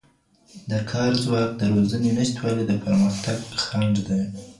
د کار ځواک د روزنې نشتوالی د پرمختګ خنډ دی.